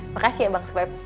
makasih ya bang sweb